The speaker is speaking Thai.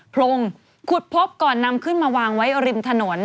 พรงขุดพบก่อนนำขึ้นมาวางไว้ริมถนน